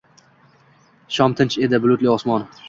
Shom tinch edi, bulutli osmon